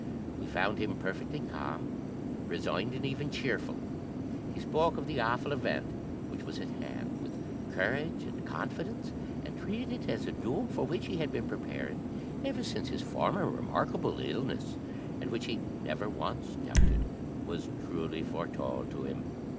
We found him perfectly calm, resigned, and even cheerful. He spoke of the awful event which was at hand with courage and confidence, and treated it as a doom for which he had been preparing ever since his former remarkable illness, and which he never once doubted was truly foretold to him.